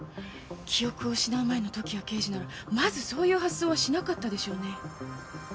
記憶を失う前の時矢刑事ならまずそういう発想はしなかったでしょうね。